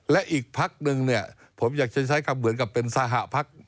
และอีกภักดิ์หนึ่งเนี่ยผมอยากใช้คำเหมือนกับเป็นสหภักดิ์